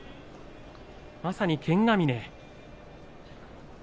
まさに剣が峰。